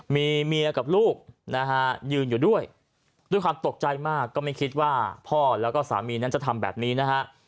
มีเมียกับลูกนะฮะยืนอยู่ด้วยด้วยความตกใจมากก็ไม่คิดว่าพ่อแล้วก็สามีนั้นจะทำแบบนี้นะฮะ